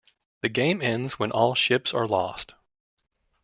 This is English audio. The game ends when all ships are lost.